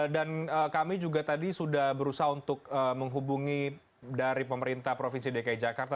dan kami juga tadi sudah berusaha untuk menghubungi dari pemerintah provinsi dki jakarta